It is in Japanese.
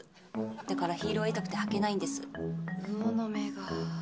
だから、ヒールは痛くて履けないうおの目が。